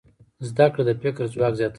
زده کړه د فکر ځواک زیاتوي.